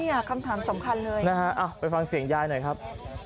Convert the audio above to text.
นี่คำถามสำคัญเลยนะครับไปฟังเสียงยายหน่อยครับนี่คำถามสำคัญเลยนะครับไปฟังเสียงยายหน่อยครับ